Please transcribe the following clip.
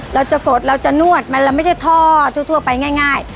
เราจะกดเราจะนวดมันเราไม่ใช่ท่อทั่วไปง่าย